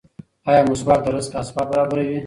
ایا مسواک د رزق اسباب برابروي؟